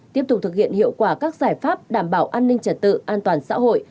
tiếp tục thực hiện hiệu quả các giải pháp đảm bảo an ninh trật tự an toàn xã hội